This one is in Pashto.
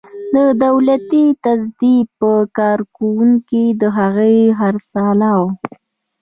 د دولتي تصدۍ په کارکوونکو د هغه خرڅلاو.